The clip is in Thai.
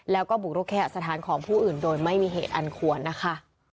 แล้วก็บุกรุกแค่สถานของผู้อื่นโดยไม่มีเหตุอันควรนะคะ